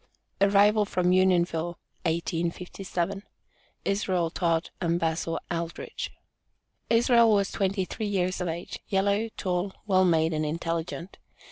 ARRIVAL FROM UNIONVILLE, 1857. ISRAEL TODD, AND BAZIL ALDRIDGE. Israel was twenty three years of age, yellow, tall, well made and intelligent.